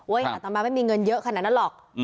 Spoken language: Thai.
เฮ้ยหาตำราไม่มีเงินเยอะขนาดนั้นหรอก